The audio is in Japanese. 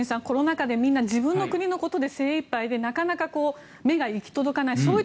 コロナ禍で自分の国のことで精いっぱいで目が行き届かない。